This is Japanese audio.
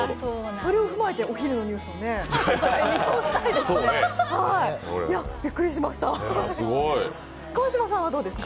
それを踏まえてお昼のニュースを見たいですね。